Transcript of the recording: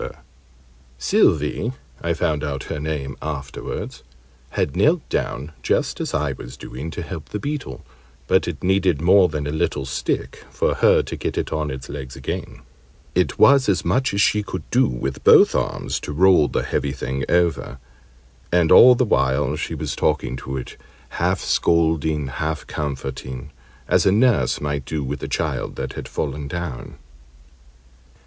Fairy sylvie} Sylvie (I found out her name afterwards) had knelt down, just as I was doing, to help the Beetle; but it needed more than a little stick for her to get it on its legs again; it was as much as she could do, with both arms, to roll the heavy thing over; and all the while she was talking to it, half scolding and half comforting, as a nurse might do with a child that had fallen down.